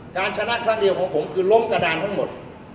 ชนะครั้งเดียวของผมคือล้มกระดานทั้งหมด